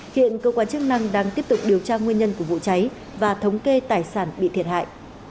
hiện cơ quan chức năng đang tiếp tục điều tra nguyên nhân của vụ cháy và thống kê tài sản bị thiệt hại